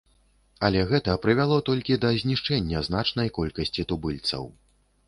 Але гэта прывяло толькі да знішчэння значнай колькасці тубыльцаў.